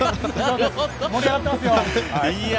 盛り上がってますよ。